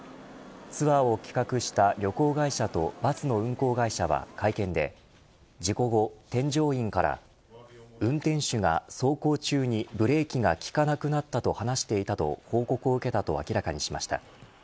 ツアーを企画した旅行会社とバスの運行会社は会見で事故後、添乗員から運転手が走行中にブレーキが利かなくなったと話していたと報告を受けたと明らかにしました。